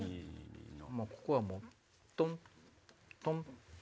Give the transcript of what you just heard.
ここはもうトントン。